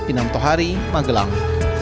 inam tohari magelang